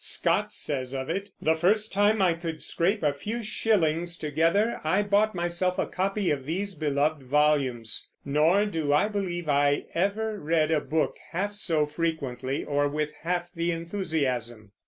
Scott says of it, "The first time I could scrape a few shillings together, I bought myself a copy of these beloved volumes; nor do I believe I ever read a book half so frequently, or with half the enthusiasm."